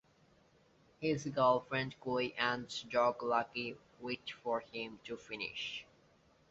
His girlfriend Koi and dog Lucky wait for him to finish.